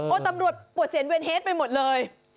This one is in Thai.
ตำรวจปวดเสียนเวียดไปหมดเลย